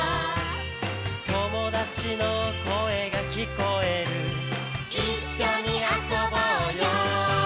「友達の声が聞こえる」「一緒に遊ぼうよ」